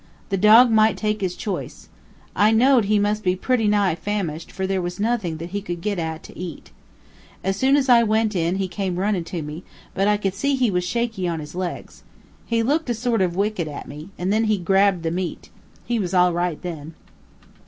The dog might take his choice. I know'd he must be pretty nigh famished, for there was nothin' that he could get at to eat. As soon as I went in, he came runnin' to me; but I could see he was shaky on his legs. He looked a sort of wicked at me, and then he grabbed the meat. He was all right then."